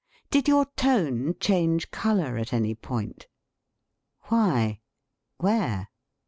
Did your tone change color at any point? Why? Where?